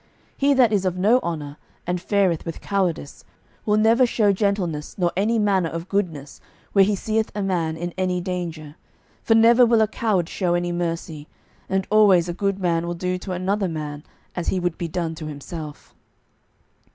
He that is of no honour, and fareth with cowardice, will never show gentleness nor any manner of goodness where he seeth a man in any danger, for never will a coward show any mercy, and always a good man will do to another man as he would be done to himself."